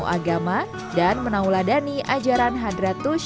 ketika di pondok pesantren para santri menunggu waktu berbuka puasa